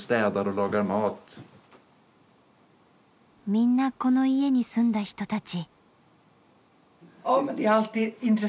みんなこの家に住んだ人たち。